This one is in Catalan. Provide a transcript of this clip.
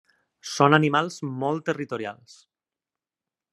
Són animals molt territorials.